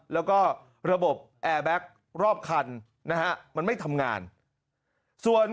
แล้วก็ระบบแอร์แบ็ครอบคันนะฮะมันไม่ทำงานส่วน